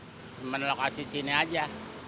pindah pindah lokasi sini aja